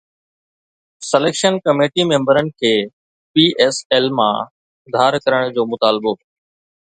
selection committee ميمبرن کي P S L مان ڌار ڪرڻ جو مطالبو